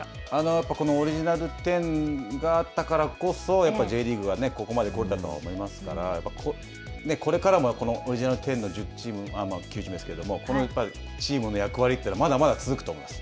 やっぱりオリジナル１０があったからこそＪリーグがここまで来れたと思いますから、これからもこのオリジナル１０の１０チーム、９チームですけれども、このチームの役割はまだまだ続くと思います。